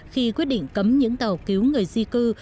khi quyết định cấm những tàu cứu người di cư